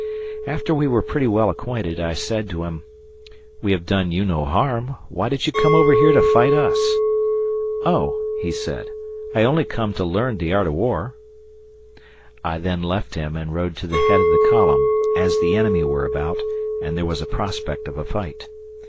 After we were pretty well acquainted, I said to him, "We have done you no harm. Why did you come over here to fight us?" "Oh," he said, "I only come to learn de art of war." I then left him and rode to the head of the column, as the enemy were about, and there was a prospect of a fight.